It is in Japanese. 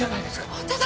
本当だ